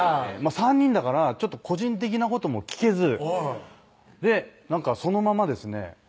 ３人だから個人的なことも聞けずそのままですね